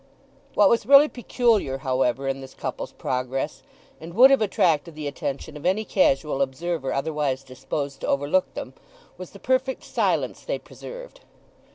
What was really peculiar, however, in this couple's progress, and would have attracted the attention of any casual observer otherwise disposed to overlook them, was the perfect silence they preserved.